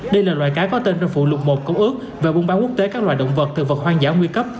đây là loại cá có tên trong phụ lục một công ước về buôn bán quốc tế các loài động vật thực vật hoang dã nguy cấp